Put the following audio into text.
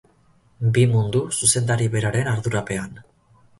Bi mundu, zuzendari beraren ardurapean.